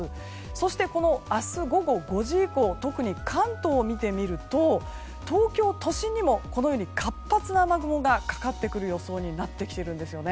そして明日午後５時以降特に関東を見てみると東京都心にも活発な雨雲がかかってくる予想になってきているんです。